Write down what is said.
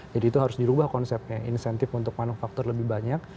itu harus dirubah konsepnya insentif untuk manufaktur lebih banyak